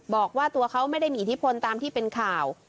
บอกว่าตัวเขาไม่ได้มีอิทธิพลตามที่เป็นข่าว